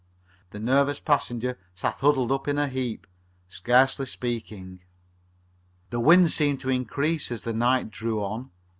The nervous passenger sat huddled up in a heap, scarcely speaking. The wind seemed to increase as night drew on.